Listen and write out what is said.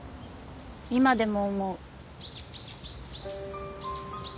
今でも思う。